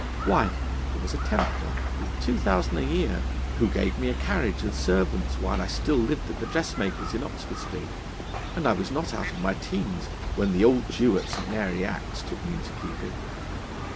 Why, there was a Templar, with two thousand a year, who gave me a carriage and servants while I still lived at the dressmaker's in Oxford Street, and I was not out of my teens when the old Jew in St. Mary Axe took me into keeping.